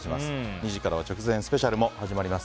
２時からは直前スペシャルも始まります。